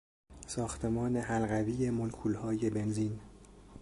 ساختمان حلقوی مولکولهای بنزین